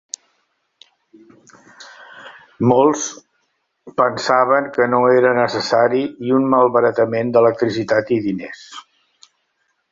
Molts pensaven que no era necessari i un malbaratament d'electricitat i diners.